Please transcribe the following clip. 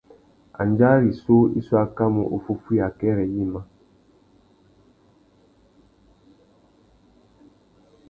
Andjara rissú i su akamú uffúffüiya akêrê yïmá.